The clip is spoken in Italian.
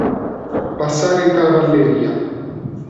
Passare in cavalleria.